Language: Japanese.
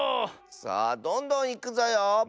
さあどんどんいくぞよ！